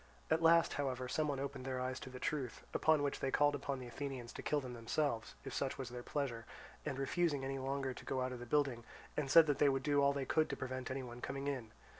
At last, however, someone opened their eyes to the truth, upon which they called upon the Athenians to kill them themselves, if such was their pleasure, and refused any longer to go out of the building, and said they would do all they could to prevent any one coming in.